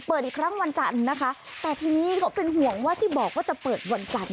อีกครั้งวันจันทร์นะคะแต่ทีนี้เขาเป็นห่วงว่าที่บอกว่าจะเปิดวันจันทร์